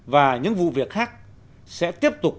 và những vụ việc khác sẽ tiếp tục